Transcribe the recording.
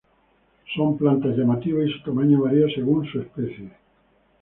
Son plantas llamativas y su tamaño varía según su especie.